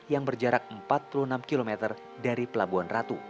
yang berjarak empat puluh enam km dari pelabuhan ratu